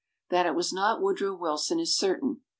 That it was not Woodrow Wil son is certain.